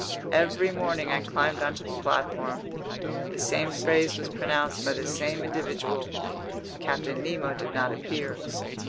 Every morning I climbed onto the platform. The same phrase was pronounced by the same individual. Captain Nemo did not appear.